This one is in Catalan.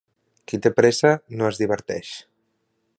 Qui té pressa no es diverteix.